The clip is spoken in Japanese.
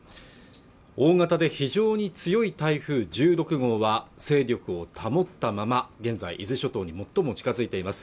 大型で非常に強い台風１６号は勢力を保ったまま現在伊豆諸島に最も近づいています